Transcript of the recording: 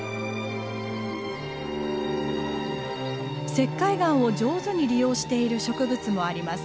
石灰岩を上手に利用している植物もあります。